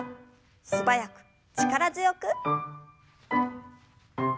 素早く力強く。